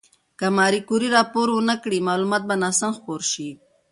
که ماري کوري راپور ونکړي، معلومات به ناسم خپور شي.